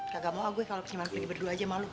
gak mau ah gue kalo kesempatan pergi berdua aja sama lo